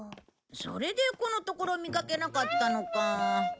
それでこのところ見かけなかったのか。